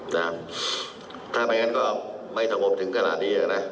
ถ้าไม่งั้นก็ไม่สงบถึงขนาดนี้นะ